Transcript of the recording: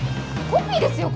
コピーですよ